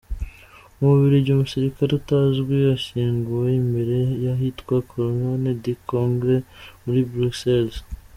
Mu Bubiligi : Umusirikare utazwi ashyinguwe imbere y’ahitwa Colonne du Congrès muri Bruxelles.